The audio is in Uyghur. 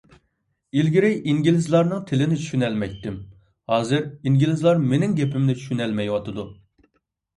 ئىلگىرى ئىنگلىزلارنىڭ تىلىنى چۈشىنەلمەيتتىم، ھازىر ئىنگلىزلار مېنىڭ گېپىمنى چۈشىنەلمەيۋاتىدۇ.